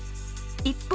一方